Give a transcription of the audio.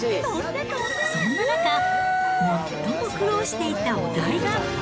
そんな中、最も苦労していたお題が。